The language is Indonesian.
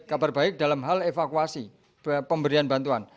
kabar baik dalam hal evakuasi pemberian bantuan